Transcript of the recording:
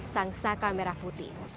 sang saka merah putih